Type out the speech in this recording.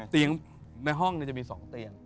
เตียงในห้องจะมี๒เตียง